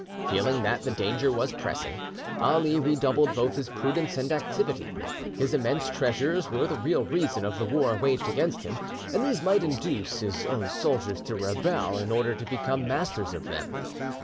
Feeling that the danger was pressing, Ali redoubled both his prudence and activity. His immense treasures were the real reason of the war waged against him, and these might induce his own soldiers to rebel, in order to become masters of them.